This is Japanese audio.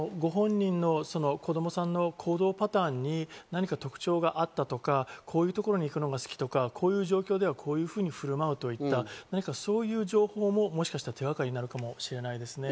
ご本人の子供さんの行動パターンに何か特徴があったとか、こういう所に行くのが好きとか、こういう状況ではこういうふうに振る舞うといった何かそういう情報ももしかしたら手掛かりになるかもしれないですね。